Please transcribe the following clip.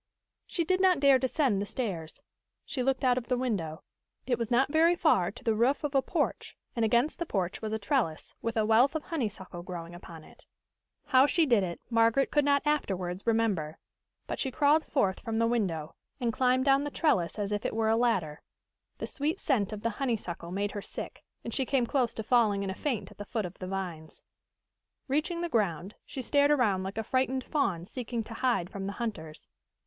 She did not dare descend the stairs. She looked out of the window. It was not very far to the roof of a porch, and against the porch was a trellis, with a wealth of honeysuckle growing upon it. How she did it, Margaret could not afterwards remember. But she crawled forth from the window, and climbed down the trellis as if it were a ladder. The sweet scent of the honeysuckle made her sick, and she came close to falling in a faint at the foot of the vines. Reaching the ground, she stared around like a frightened fawn seeking to hide from the hunters.